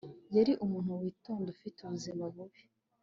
Yari umuntu witonda ufite ubuzima bubi